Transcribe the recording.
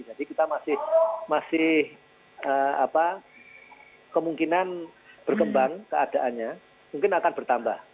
jadi kita masih kemungkinan berkembang keadaannya mungkin akan bertambah